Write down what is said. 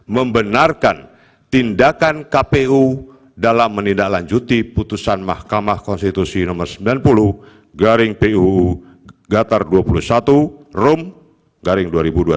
membenarkan tindakan kpu dalam menindaklanjuti putusan mahkamah konstitusi nomor sembilan puluh garing puu gatar dua puluh satu room garing dua ribu dua puluh